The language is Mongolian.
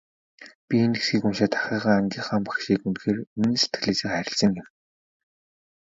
Би энэ хэсгийг уншаад ахыгаа, ангийнхаа багшийг үнэн сэтгэлээсээ хайрласан юм.